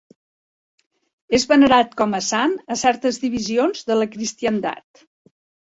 És venerat com a sant a certes divisions de la cristiandat.